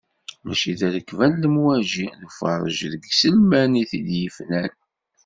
Mačči d rrekba n lemwaji, d ufarreǧ deg yiselman i t-id-yefnan.